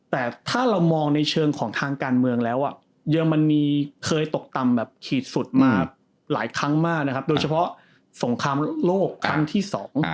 แต่ถ้าเรามองในเชิงของทางการเมืองแล้วเยอรมนีเคยตกต่ำแบบขีดสุดมาหลายครั้งมากนะครับโดยเฉพาะสงครามโลกครั้งที่สอง